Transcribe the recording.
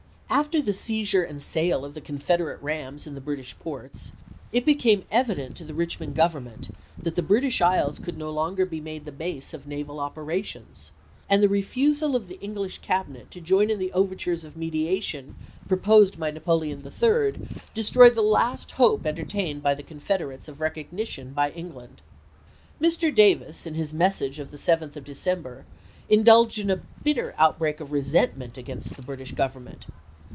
After the seizure and sale of the Confederate rams in the British ports it became evident to the Richmond Government that the British Isles could no longer be made the base of naval operations, and the refusal of the English Cabinet to join in the 262 ABRAHAM LINCOLN Chap. X. overtures of mediation proposed by Napoleon III. destroyed the last hope entertained by the Confed erates of recognition by England. Mr. Davis, in 1863. his message of the 7th of December, indulged in a bitter outbreak of resentment against the British Government.